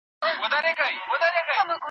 کمونستان ډېر فعال شوي وو.